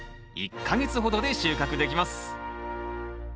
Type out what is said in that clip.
１か月ほどで収穫できます。